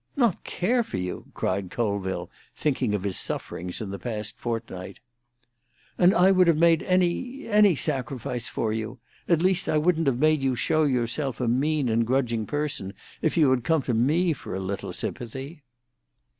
"Not care for you!" cried Colville, thinking of his sufferings in the past fortnight. "And I would have made any—any sacrifice for you. At least I wouldn't have made you show yourself a mean and grudging person if you had come to me for a little sympathy."